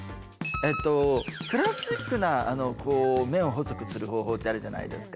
えっとクラシックなこう麺を細くする方法ってあるじゃないですか。